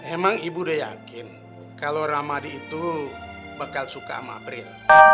emang ibu udah yakin kalau ramadi itu bakal suka mabril